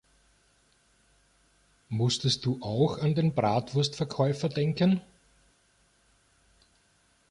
Musstest du auch an den Bratwurstverkäufer denken?